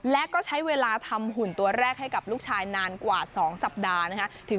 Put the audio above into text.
และก็ใช้เวลาทำหุ่นตัวแรกให้กับลูกชายนานกว่า๒สัปดาห์นะคะ